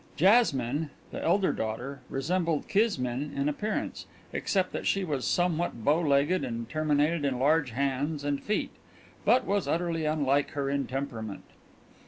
Jasmine, the elder daughter, resembled Kismine in appearance except that she was somewhat bow legged, and terminated in large hands and feet but was utterly unlike her in temperament.